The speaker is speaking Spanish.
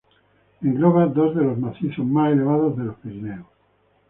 Engloba dos de los macizos más elevados de los Pirineos.